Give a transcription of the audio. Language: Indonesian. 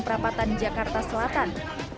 prapatan jakarta selatan